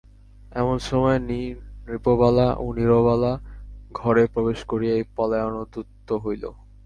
এমন সময় নৃপবালা ও নীরবালা ঘরে প্রবেশ করিয়াই পলায়নোদ্যত হইল।